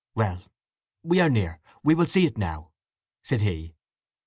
"Well—we are near; we will see it now," said he.